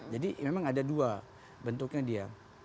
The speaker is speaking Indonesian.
jadi memang ada dua bentuknya dia